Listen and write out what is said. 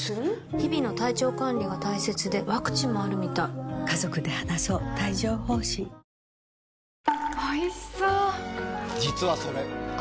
日々の体調管理が大切でワクチンもあるみたいゆるみ対策の難しさ